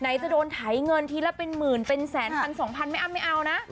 จะโดนไถเงินทีละเป็นหมื่นเป็นแสนพันสองพันไม่อ้ำไม่เอานะ